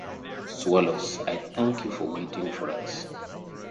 Swallows, I thank you for waiting for us.